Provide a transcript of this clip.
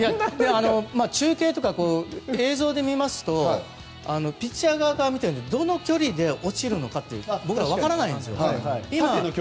中継とか映像で見ますとピッチャー側から見てどの距離で落ちるかって僕らは分からないんです。